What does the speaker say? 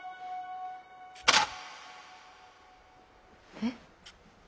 えっ？